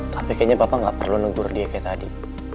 tapi kayaknya papa gak perlu nunggur dia kayak tadi